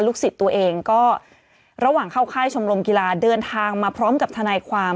สิทธิ์ตัวเองก็ระหว่างเข้าค่ายชมรมกีฬาเดินทางมาพร้อมกับทนายความ